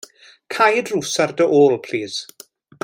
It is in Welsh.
Cau y drws ar dy ôl plis.